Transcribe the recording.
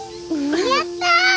やった！